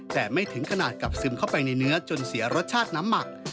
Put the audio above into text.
แต่ไม่ถึงขนาดกับซึมเข้าไปในเนื้อจนเสียรสชาติน้ำหมัก